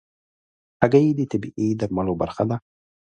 هګۍ د طبيعي درملو برخه ده.